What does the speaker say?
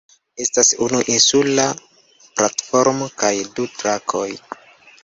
Estas unu insula platformo kaj du trakoj.